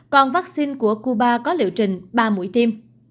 còn vaccine của cuba có liệu trình ba mũi tiêm